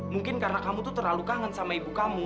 mungkin karena kamu tuh terlalu kangen sama ibu kamu